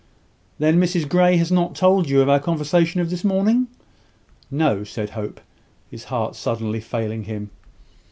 "Then Mrs Grey has not told you of our conversation of this morning?" "No," said Hope, his heart suddenly failing him.